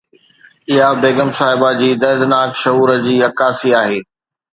اها بيگم صاحبه جي دردناڪ شعور جي عڪاسي آهي